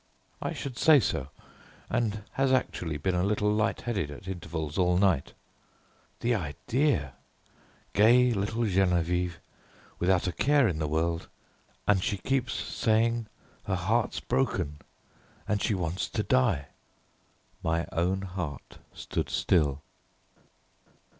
"I should say so, and has actually been a little light headed at intervals all night. The idea! gay little Geneviève, without a care in the world, and she keeps saying her heart's broken, and she wants to die!" My own heart stood still.